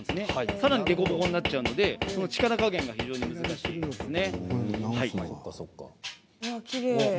さらに凸凹になっちゃうので力加減が非常に難しいですね。